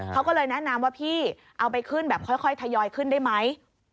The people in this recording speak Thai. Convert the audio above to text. เขาก็เลยแนะนำว่าพี่เอาไปขึ้นแบบค่อยทยอยขึ้นได้ไหม